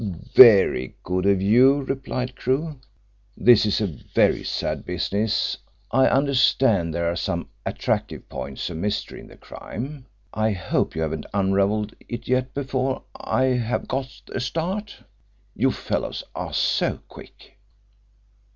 "Very good of you," replied Crewe. "This is a very sad business. I understand there are some attractive points of mystery in the crime. I hope you haven't unravelled it yet before I have got a start. You fellows are so quick."